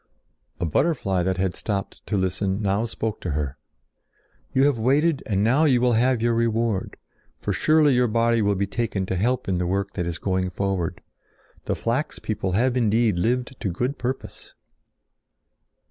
A butterfly that had stopped to listen now spoke to her: "You have waited and now you will have your reward. For surely your body will be taken to help in the work that is going forward. The flax people have indeed lived to good purpose."